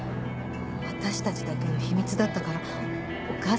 私たちだけの秘密だったからお母さん知らないはず。